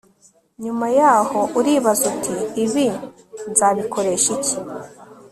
nyuma yaho uribaza uti ibi nzabikoresha iki